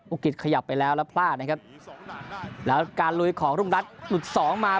กิจขยับไปแล้วแล้วพลาดนะครับแล้วการลุยของรุ่งรัฐหลุดสองมา